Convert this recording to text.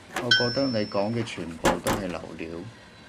我覺得你講嘅全部都係流料